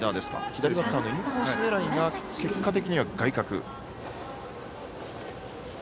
左バッターインコース狙い結果的には外角。